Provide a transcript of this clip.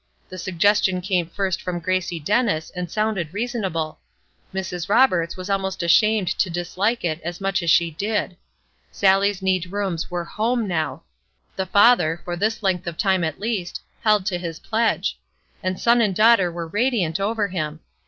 The suggestion came first from Gracie Dennis, and sounded reasonable. Mrs. Roberts was almost ashamed to dislike it as much as she did. Sallie's neat rooms were home now. The father, for this length of time at least, held to his pledge; and son and daughter were radiant over him.